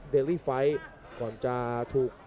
สวัสดีครับ